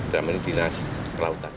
kementerian dinas kelautan